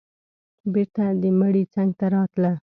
بېرته د مړي څنگ ته راتله.